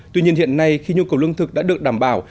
tuy nhiên hiện nay khi nhu cầu lương thực đã được đảm bảo